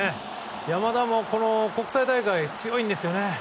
山田も国際大会強いんですよね。